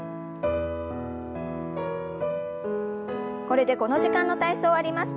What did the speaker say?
これでこの時間の体操終わります。